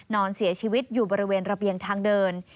นอนเสียชีวิตอยู่บริเวณระเบียงทางเดิน